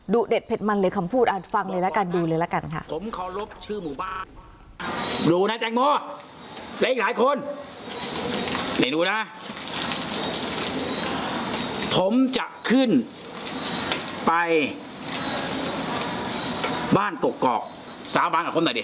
เด็ดเผ็ดมันเลยคำพูดฟังเลยละกันดูเลยละกันค่ะ